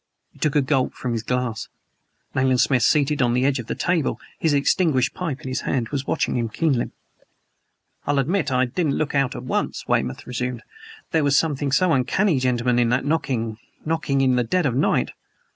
He took a gulp from his glass. Nayland Smith, seated on the edge of the table, his extinguished pipe in his hand, was watching him keenly. "I'll admit I didn't look out at once," Weymouth resumed. "There was something so uncanny, gentlemen, in that knocking knocking in the dead of the night.